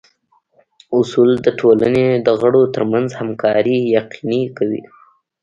اصول د ټولنې د غړو ترمنځ همکاري یقیني کوي.